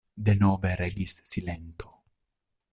Denove regis silento.